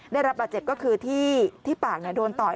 ได้รับบาดเจ็บก็คือที่ปากโดนต่อย